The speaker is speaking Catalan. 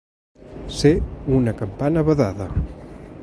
Ser una campana badada.